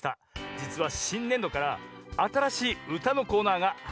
じつはしんねんどからあたらしいうたのコーナーがはじまるんですねぇ。